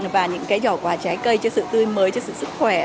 và những cái giỏ quà trái cây cho sự tươi mới cho sự sức khỏe